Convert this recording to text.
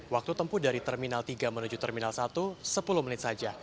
waktu tempuh dari terminal tiga menuju terminal satu sepuluh menit saja